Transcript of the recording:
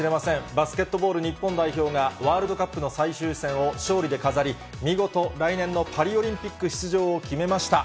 バスケットボール日本代表が、ワールドカップの最終戦を勝利で飾り、見事、来年のパリオリンピック出場を決めました。